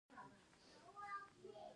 افغانستان له دریابونه ډک دی.